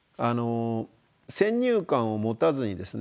先入観を持たずにですね